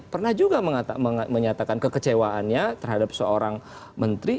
pernah juga menyatakan kekecewaannya terhadap seorang menteri